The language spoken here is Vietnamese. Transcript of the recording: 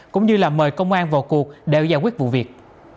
cũng như là mời công an vào cuộc để giải quyết vụ việc